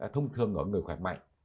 thông thường ở người khỏe mạnh